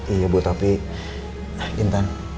iya ibu tapi intan